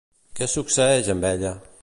Què succeeix amb ella?